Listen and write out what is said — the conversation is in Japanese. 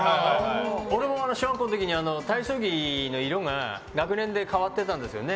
俺も小学校の時に体操着の色が学年で変わっていたんですよね。